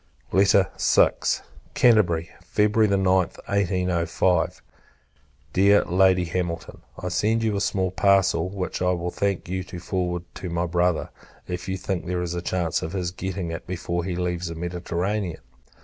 VI. Canterbury, February 9th, 1805. Dear Lady Hamilton, I send you a small parcel; which I will thank you to forward to my Brother, if you think there is a chance of his getting it before he leaves the Mediterranean.